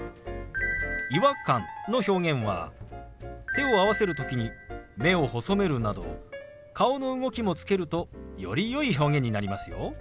「違和感」の表現は手を合わせる時に目を細めるなど顔の動きもつけるとよりよい表現になりますよ。